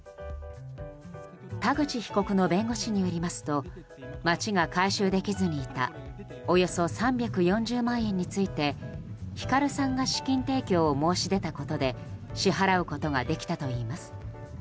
田口被告の弁護士によりますと町が回収できずにいたおよそ３４０万円についてヒカルさんが資金提供を申し出たことで支払うことができたといいます。